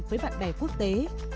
với bạn bè quốc tế